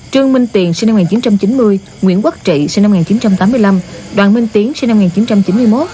trương minh tiền sinh năm một nghìn chín trăm chín mươi nguyễn quốc trị sinh năm một nghìn chín trăm tám mươi năm đoàn minh tiến sinh năm một nghìn chín trăm chín mươi một